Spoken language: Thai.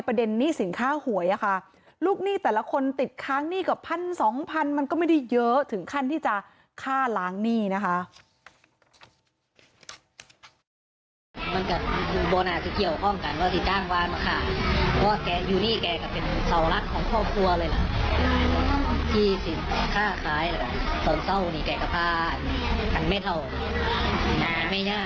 หนี้สินค้าหวยค่ะลูกหนี้แต่ละคนติดค้างหนี้เกือบพันสองพันมันก็ไม่ได้เยอะถึงขั้นที่จะฆ่าล้างหนี้นะคะ